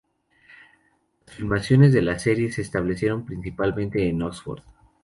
Las filmaciones de la serie se establecen principalmente en Oxford.